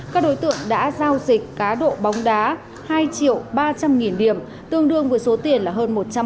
các đối tượng đã giao dịch cá độ bóng đá hai triệu ba trăm linh nghìn điểm tương đương với số tiền là hơn